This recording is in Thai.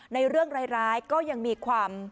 เรื่องร้ายก็ยังมีความ